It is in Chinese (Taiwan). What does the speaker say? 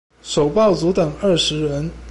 首報族等二十人